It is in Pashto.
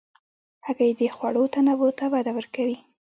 هګۍ د خوړو تنوع ته وده ورکوي.